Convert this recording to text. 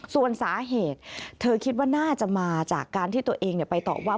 ส่วนสาเหตุเธอคิดว่าน่าจะมาจากการที่ตัวเองไปตอบว่า